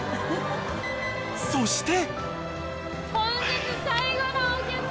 ［そして］